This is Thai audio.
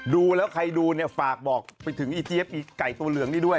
ดูแล้วใครดูเนี่ยฝากบอกไปถึงอีเจี๊ยบอีไก่ตัวเหลืองนี่ด้วย